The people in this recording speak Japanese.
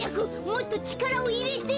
もっとちからをいれて。